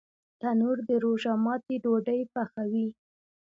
تنور د روژه ماتي ډوډۍ پخوي